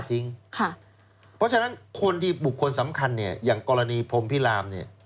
เพราะฉะนั้นคนที่บุคคลสำคัญอย่างกรณีพรมพี่ราม